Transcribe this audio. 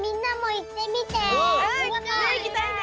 ねっいきたいね！